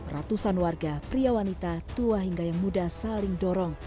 ratusan warga pria wanita tua hingga yang muda saling dorong